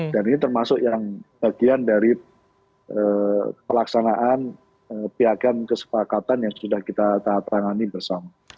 dan ini termasuk yang bagian dari pelaksanaan pihak kesepakatan yang sudah kita terangani bersama